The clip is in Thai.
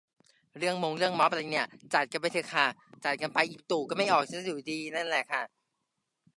"ใครมาม็อบให้มาทางนางเลิ้ง ถ้าไปทางราชดำเนินจะผ่านออกมาไม่ได้ ต้องถูกมอไซต์ขูดรีด แพงฉิบหาย"